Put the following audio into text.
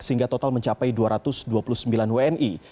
sehingga total mencapai dua ratus dua puluh sembilan wni